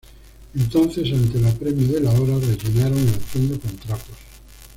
Entonces ante el apremio de la hora, rellenaron el atuendo con trapos.